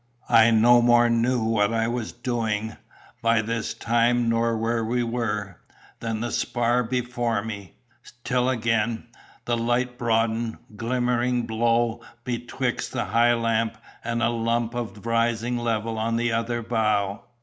I no more knew what I was doing, by this time, nor where we were, than the spar before me—till again, the light broadened, glimmering low betwixt the high land and a lump of rising level on the other bow.